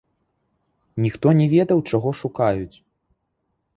Ніхто не ведаў, чаго шукаюць.